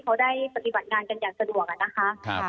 เขาได้ปฏิบัติงานกันอย่างสะดวกอะนะคะ